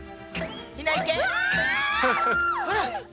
ほら！